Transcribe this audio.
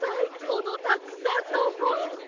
このたくさんのほん！